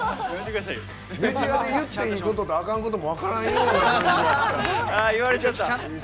メディアで言っていいこととあかんことも分からんような。